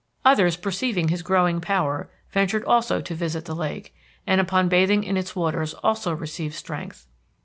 Others perceiving his growing power ventured also to visit the lake, and, upon bathing in its waters also received strength.